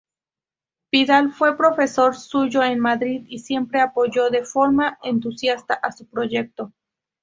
Pidal fue profesor suyo en Madrid y siempre apoyó de forma entusiasta su proyecto.